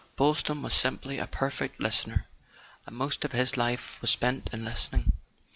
Boylston was simply a perfect listener—and most of his life was spent in listening.